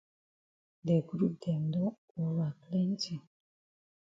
De group dem don ova plenti.